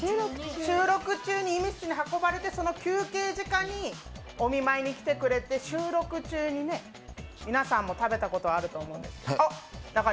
収録中に医務室に運ばれてその休憩時間にお見舞いに来てくれて収録中に皆さんも食べたことがあると思う。